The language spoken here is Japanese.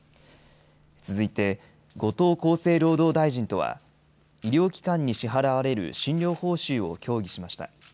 続いて後藤厚生労働大臣とは医療機関に支払われる診療報酬を協議しました。